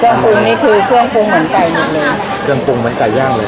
ปรุงนี่คือเครื่องปรุงเหมือนไก่หมดเลยเครื่องปรุงเหมือนไก่ย่างเลย